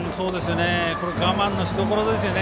我慢のしどころですね